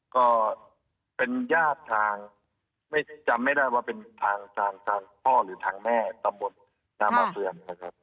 ก็เป็นญาติทางจำไม่ได้ว่าเป็นทางพ่อหรือทางแม่ต่อบทนามภรรย์นะครับ